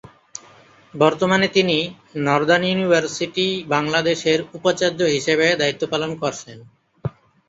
বর্তমানে তিনি Northern University বাংলাদেশের উপাচার্য হিসেবে দায়িত্ব পালন করছেন।